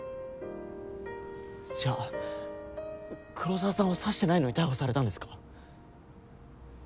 じゃあ黒澤さんは刺してないのに逮捕されたんですか？